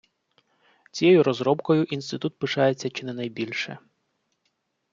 Цією розробкою інститут пишається чи не найбільше.